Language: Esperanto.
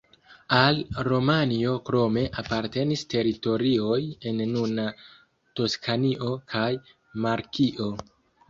Al Romanjo krome apartenis teritorioj en nuna Toskanio kaj Markio.